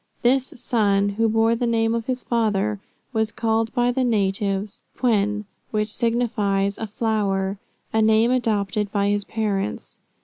This son, who bore the name of his father, was called by the natives Pwen, which signifies "a flower," a name adopted by his parents.